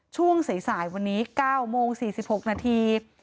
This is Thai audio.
ช่วงสายวันนี้๙โมง๔๖นาที